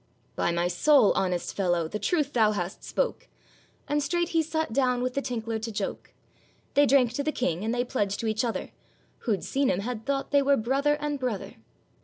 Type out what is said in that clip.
'By my soul! honest fellow, the truth thou hast spoke,' And straight he sat down with the tinkler to joke; They drank to the King, and they pledged to each other; Who'd seen 'em had thought they were brother and brother.